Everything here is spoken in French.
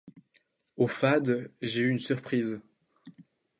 Au fade, j’ai eu une surprise.